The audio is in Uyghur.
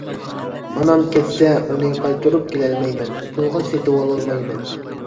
ئانام كەتسە ئۇنى قايتۇرۇپ كېلەلمەيمەن، پۇلغا سېتىۋالالمايمەن.